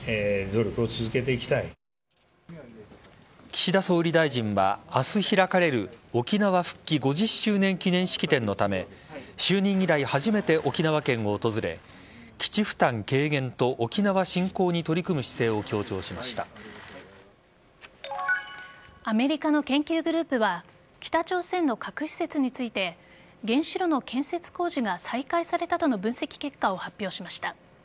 岸田総理大臣は明日開かれる沖縄復帰５０周年記念式典のため就任以来初めて沖縄県を訪れ基地負担軽減と沖縄振興に取り組む姿勢をアメリカの研究グループは北朝鮮の核施設について原子炉の建設工事が再開されたとの分析結果を発表しました。